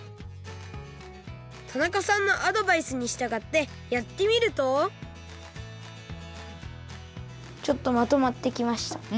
田中さんのアドバイスにしたがってやってみるとちょっとまとまってきました。